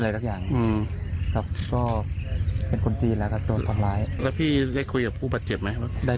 ว่าพี่ได้คุยกับผู้ปาดเจ็บมั้ย